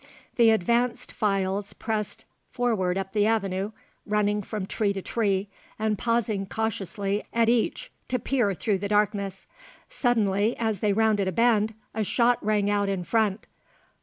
The advanced files pressed forward up the avenue, running from tree to tree, and pausing cautiously at each to peer through the darkness. Suddenly as they rounded a bend, a shot rang out in front.